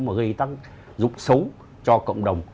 mà gây tăng dụng sống cho cộng đồng